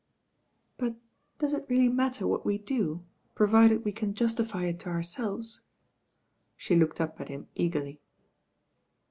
"But does it really matter what ws do, provided we can justify it to ourselves?" She locked up at him eagerly.